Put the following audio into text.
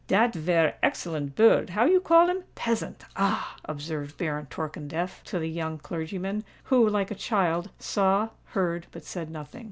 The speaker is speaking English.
"Dat vare excellent bird—how you call him? Peasant—ah!" observed Baron Torkemdef to the young clergyman, who, like a child, saw, heard, but said nothing.